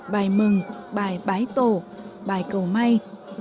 bài mừng bài bái tổ bài cầu may